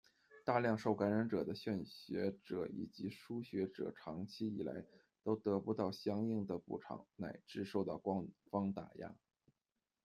大量受感染的献血者以及输血者长期以来都得不到相应的补偿，乃至受到官方打压。